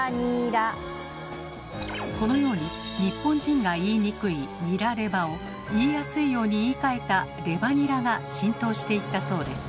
このように日本人が言いにくい「ニラレバ」を言いやすいように言いかえた「レバニラ」が浸透していったそうです。